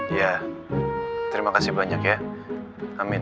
ya terima kasih banyak ya amin